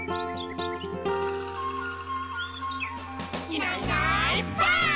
「いないいないばあっ！」